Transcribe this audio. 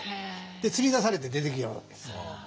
で釣り出されて出てきよるわけです。